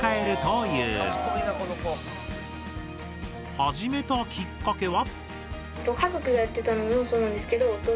始めたきっかけは？